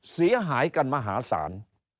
เสียหายกันมหาศาล